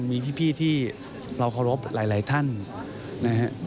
มีพี่ที่เราก้อรบหลายท่านนะครับ